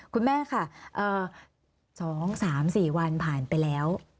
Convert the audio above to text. คุณแม่ค่ะ๒๓๔วันผ่านไปแล้ว